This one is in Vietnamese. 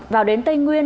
vào đến tây nguyên